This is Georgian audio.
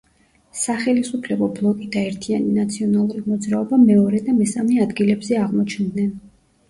სახელისუფლებო ბლოკი და ერთიანი ნაციონალური მოძრაობა მეორე და მესამე ადგილებზე აღმოჩნდნენ.